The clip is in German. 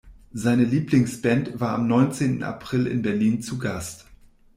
Seine Lieblingsband war am neunzehnten April in Berlin zu Gast.